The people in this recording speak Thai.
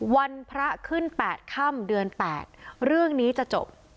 วันพระขึ้น๘ค่ำเดือน๘เรื่องนี้จะจบ